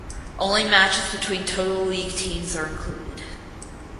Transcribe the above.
Only matches between Total League teams are included.